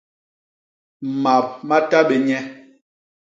Map ma tabé nye.